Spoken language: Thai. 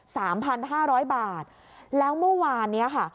สามพันห้าร้อยบาทแล้วเมื่อวานเนี้ยค่ะ